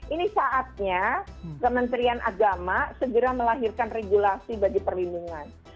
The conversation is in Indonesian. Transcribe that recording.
ini saatnya kementerian agama segera melahirkan regulasi bagi perlindungan